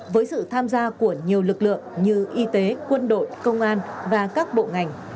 với sự tham gia của nhiều lực lượng như y tế quân đội công an và các bộ ngành